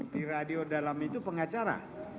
di radio dalam itu pengacara